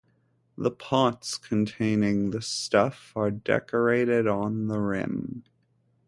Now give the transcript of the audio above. The pots containing the stuff are decorated on the rim.